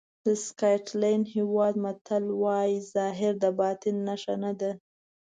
د سکاټلېنډ هېواد متل وایي ظاهر د باطن نښه نه ده.